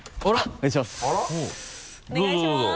お願いします。